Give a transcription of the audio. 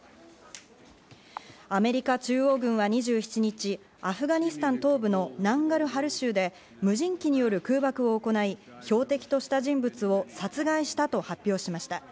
アメリカ中央軍は２７日、アフガニスタン東部のナンガルハル州で無人機による空爆を行い、標的とした人物を殺害したと発表しました。